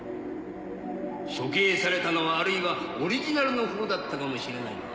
処刑されたのはあるいはオリジナルのほうだったかもしれないが。